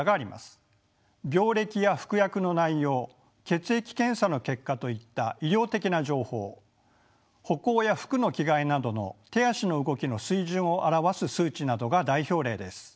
血液検査の結果といった医療的な情報歩行や服の着替えなどの手足の動きの水準を表す数値などが代表例です。